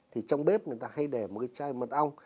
thì trong bếp người ta hay để một cái chai mật ong